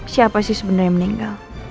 siapa sih sebenarnya meninggal